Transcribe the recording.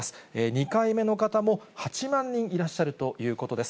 ２回目の方も８万人いらっしゃるということです。